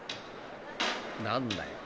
［何だよ。